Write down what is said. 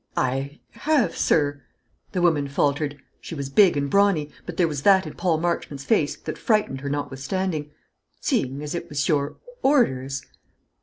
"I have, sir," the woman faltered, she was big and brawny, but there was that in Paul Marchmont's face that frightened her notwithstanding, "seeing as it was your orders."